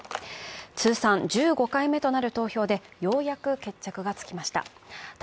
通算１５回目となる投票でようやく決着がつきました。